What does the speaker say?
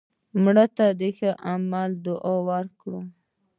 مړه ته د ښه عمل دعا وکړه